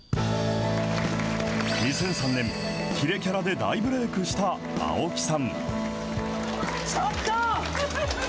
２００３年、キレキャラで大ブレークした青木さん。